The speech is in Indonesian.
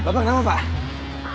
bapak nama pak